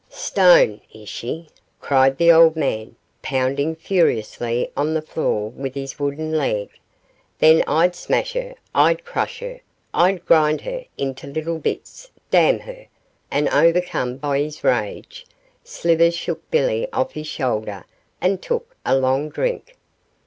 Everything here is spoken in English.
'Stone, is she?' cried the old man, pounding furiously on the floor with his wooden leg, 'then I'd smash her; I'd crush her; I'd grind her into little bits, damn her,' and overcome by his rage, Slivers shook Billy off his shoulder and took a long drink.